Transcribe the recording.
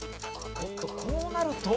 こうなると。